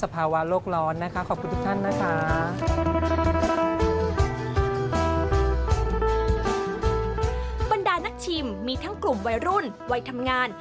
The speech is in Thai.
บรรดานักชิมมีทั้งกลุ่มวัยรุ่นวัยทำงาน